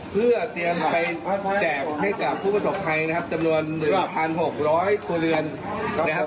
เพื่อเตรียมไปแจกให้กับผู้ประสบภัยนะครับจำนวน๑๖๐๐ครัวเรือนนะครับ